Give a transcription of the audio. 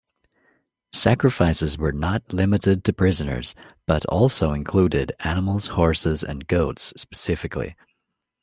Sacrifices were not limited to prisoners but also included animals, horses and goats specifically.